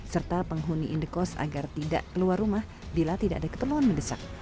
serta penghuni indekos agar tidak keluar rumah bila tidak ada keperluan mendesak